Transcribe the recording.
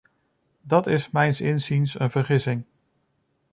Dat is mijns inziens een vergissing.